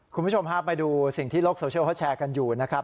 คุณผู้ชมฮะไปดูสิ่งที่โลกโซเชียลเขาแชร์กันอยู่นะครับ